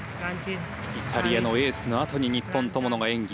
イタリアのエースのあとに日本、友野が演技。